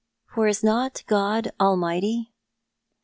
"fob is not god all mighty?"